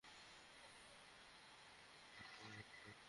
এলাকায় সন্ত্রাসবিরোধী যেসব কমিটি গঠন করা হয়েছে, সেগুলো সক্রিয় রাখতে হবে।